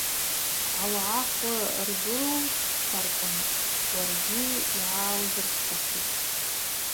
Аугӏа хвы рзучпарквын, уаргьи йгӏаузырчпахитӏ.